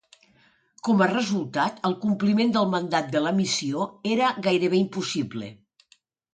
Com a resultat, el compliment del mandat de la missió era gairebé impossible.